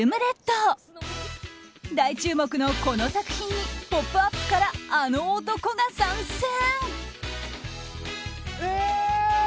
大注目のこの作品に「ポップＵＰ！」からあの男が参戦！